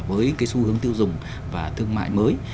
với cái xu hướng tiêu dùng và thương mại mới